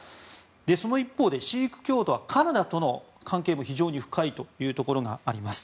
その一方でシーク教徒はカナダとの関係も非常に深いというところがあります。